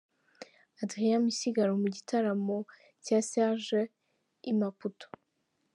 Adrien Misigaro mu gitaramo cya Serge i Maputo.